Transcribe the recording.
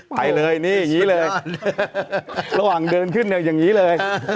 ไปเลยนี่อย่างนี้เลยระหว่างเดินขึ้นเนี่ยอย่างนี้เลย